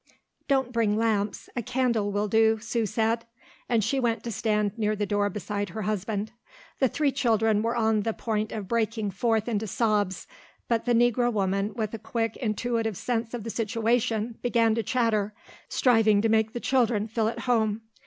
"Don't bring lamps, a candle will do," Sue said, and she went to stand near the door beside her husband. The three children were on the point of breaking forth into sobs, but the Negro woman with a quick intuitive sense of the situation began to chatter, striving to make the children feel at home.